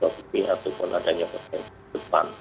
ataupun adanya peralatan musim depan